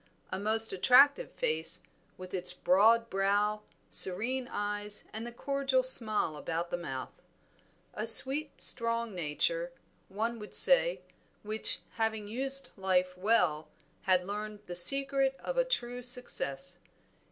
A most attractive face, with its broad brow, serene eyes, and the cordial smile about the mouth. A sweet, strong nature, one would say, which, having used life well had learned the secret of a true success.